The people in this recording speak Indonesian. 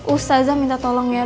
ustazah minta tolong ya